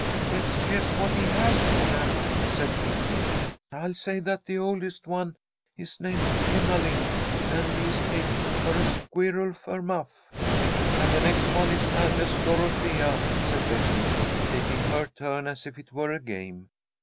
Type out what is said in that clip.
"Let's guess what he has for them," said Kitty. "I'll say that the oldest one is named Emmaline, and he is taking her a squirrel fur muff." "And the next one is Agnes Dorothea," said Betty, taking her turn, as if it were a game.